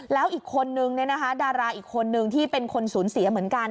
แล้วอีกคนนึงดาราอีกคนนึงที่เป็นคนสูญเสียเหมือนกัน